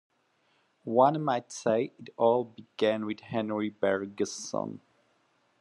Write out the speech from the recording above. One might say it all began with Henri Bergson.